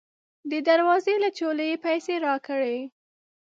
د دروازې له چولې یې پیسې راکړې.